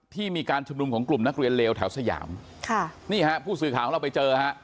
มีการชุมนุมของกลุ่มนักเรียนเลวแถวสยามค่ะนี่ฮะผู้สื่อข่าวของเราไปเจอฮะ